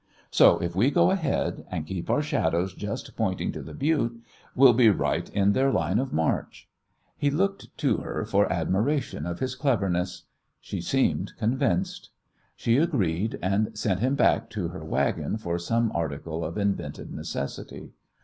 So if we go ahead, and keep our shadows just pointing to the butte, we'll be right in their line of march." He looked to her for admiration of his cleverness. She seemed convinced. She agreed, and sent him back to her wagon for some article of invented necessity.